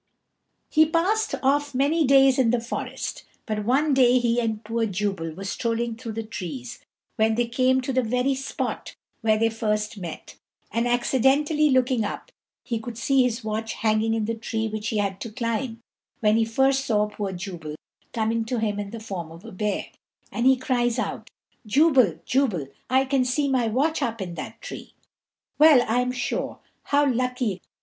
He passed off many happy days in the forest; but one day he and poor Jubal were strolling through the trees, when they came to the very spot where they first met, and, accidentally looking up, he could see his watch hanging in the tree which he had to climb when he first saw poor Jubal coming to him in the form of a bear; and he cries out, "Jubal, Jubal, I can see my watch up in that tree." "Well, I am sure, how lucky!"